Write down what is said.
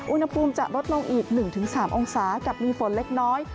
อุณหภูมิจะลดลงอีก๑๓องศากับมีฝนเล็กน้อย